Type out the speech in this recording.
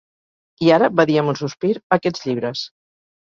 "I ara", va dir amb un sospir, "aquests llibres".